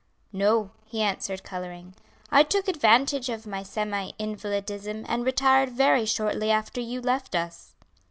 "No," he answered, coloring. "I took advantage of my semi invalidism, and retired very shortly after you left us."